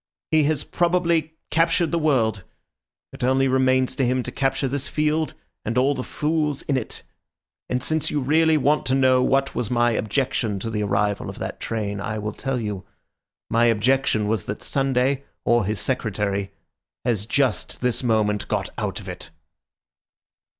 He has probably captured the world; it only remains to him to capture this field and all the fools in it. And since you really want to know what was my objection to the arrival of that train, I will tell you. My objection was that Sunday or his Secretary has just this moment got out of it."